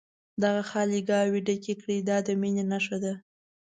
دغه خالي ګاوې ډکې کړي دا د مینې نښه ده.